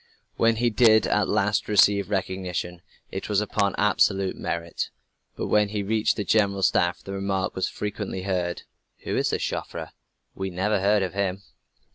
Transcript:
When he did at last receive recognition it was upon absolute merit. But when he reached the General Staff, the remark was frequently heard: "Who is this Joffre? We never heard of him."